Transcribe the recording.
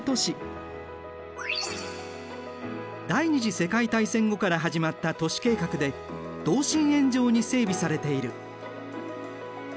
第２次世界大戦後から始まった都市計画で同心円状に整備されている。